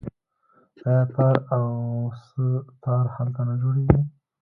آیا تار او سه تار هلته نه جوړیږي؟